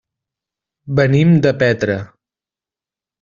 Venim de Petra.